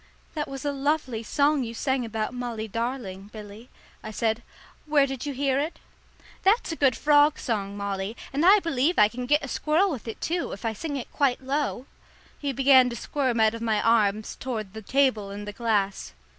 "That was a lovely song you sang about 'Molly darling,' Billy," I said. "Where did you hear it?" "That's a good frog song, Molly, and I believe I can git a squirrel with it, too, if I sing it quite low." He began to squirm out of my arms toward the table and the glass.